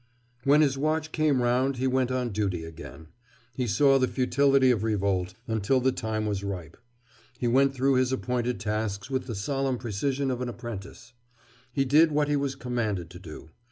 When his watch came round he went on duty again. He saw the futility of revolt, until the time was ripe. He went through his appointed tasks with the solemn precision of an apprentice. He did what he was commanded to do.